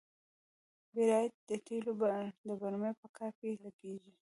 بیرایت د تیلو د برمې په کار کې لګیږي.